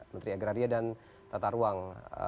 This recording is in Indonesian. menteri agraria dan tata ruang